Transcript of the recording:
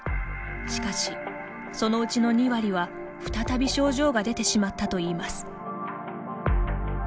しかし、そのうちの２割は、再び症状が出てしまったといいます。